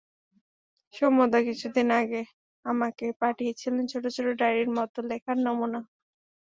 সৌম্যদা কিছুদিন আগে আমাকে পাঠিয়েছিলেন ছোট ছোট ডায়েরির মতো লেখার নমুনা।